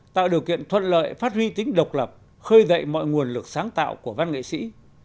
tạo điều kiện thuận lợi phát huy tính độc lập khơi dậy mọi nguồn lực sáng tạo của văn nghệ sĩ